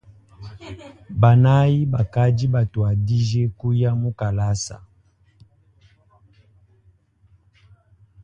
Banayi bakadi batuadije kuya mukalasa.